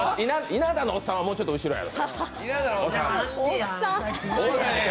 稲田のおっさんは、もうちょっと後ろやろ。